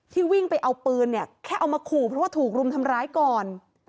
วิ่งไปเอาปืนเนี่ยแค่เอามาขู่เพราะว่าถูกรุมทำร้ายก่อน